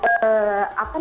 mereka menghormati kami